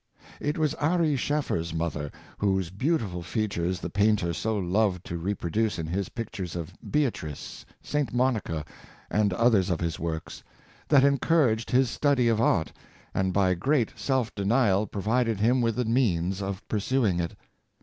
It was Ary Scheffer's mother — whose beautiful fea tures the painter so loved to reproduce in his pictures of Beatrice, St. Monica, and others of his works — that encouraged his study of art, and by great self denial provided him with the means of pursuing it.